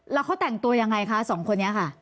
แล้วเขาแต่งตัวยังไงคะสองคนนี้ค่ะ